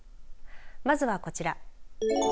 まずはこちら。